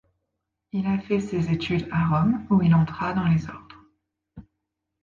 Il a fait ses études à Rome où il entra dans les ordres.